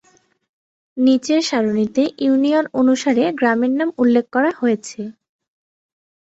নিচের সারণীতে ইউনিয়ন অনুসারে গ্রামের নাম উল্লেখ করা হয়েছে।